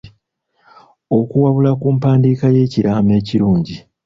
Okuwabula ku mpandiika y'ekiraamo ekirungi.